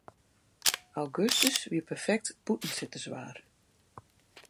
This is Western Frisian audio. Augustus wie perfekt bûtensitterswaar.